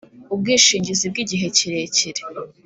ubwishingizi bw igihe kirekire